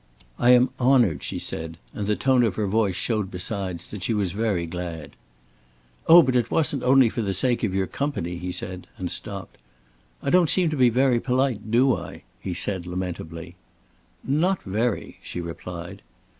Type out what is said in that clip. "I am honored," she said, and the tone of her voice showed besides that she was very glad. "Oh, but it wasn't only for the sake of your company," he said, and stopped. "I don't seem to be very polite, do I?" he said, lamentably. "Not very," she replied.